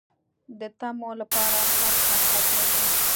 د طمعو لپاره هر خنډ ختموي